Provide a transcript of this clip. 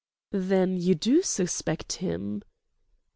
"Then you do suspect him!"